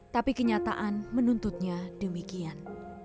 tapi kenyataan menuntutnya demikian